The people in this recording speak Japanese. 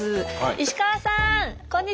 石河さん！